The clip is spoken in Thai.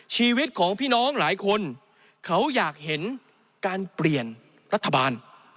ชีวิตของพี่น้องหลายคนเขาอยากเห็นการเปลี่ยนรัฐบาล